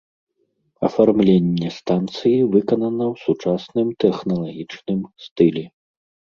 Афармленне станцыі выканана ў сучасным тэхналагічным стылі.